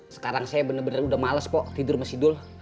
sekarang saya bener bener udah males pok tidur masih dul